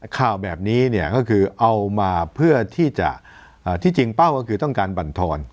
ข่าวแบบนี้เนี่ยก็คือเอามาเพื่อที่จะที่จริงเป้าก็คือต้องการบรรทอน